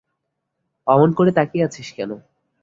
অমন করে তাকিয়ে আছিস কেন।